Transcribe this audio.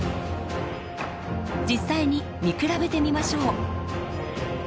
実際に見比べてみましょう。